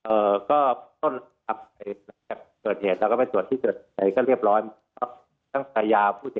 เอ่อก็ต้นอะไรอย่างเกิดเหตุเราก็ไปตรวจที่เกิดเหตุก็เรียบร้อย